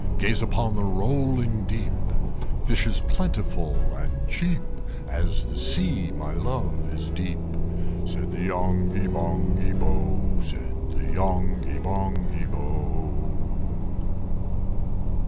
Gaze upon the rolling deep (Fish is plentiful and cheap); As the sea, my love is deep!" Said the Yonghy Bonghy Bò, Said the Yonghy Bonghy Bò.